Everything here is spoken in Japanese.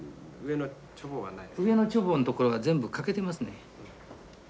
上のチョボのところが全部欠けてますね。